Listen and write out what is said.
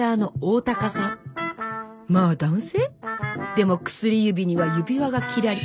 でも薬指には指輪がキラリ。